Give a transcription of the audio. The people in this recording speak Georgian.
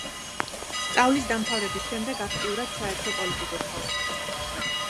სწავლის დამთავრების შემდეგ აქტიურად ჩაერთო პოლიტიკურ ცხოვრებაში.